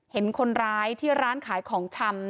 เห็นคนร้ายที่ร้านขายของชำ